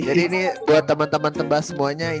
jadi ini buat temen temen tebas semuanya ya